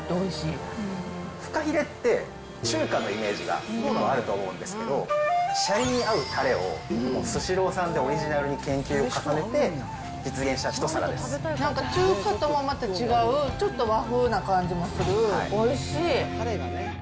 フカヒレって中華のイメージがあると思うんですけど、シャリの合うたれをスシローさんでオリジナルで研究を重ねて、実なんか中華とはまた違う、ちょっと和風な感じもする、おいしい。